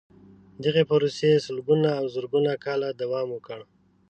دغې پروسې سلګونه او زرګونه کاله دوام وکړ.